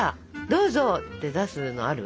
どうぞって出すのある？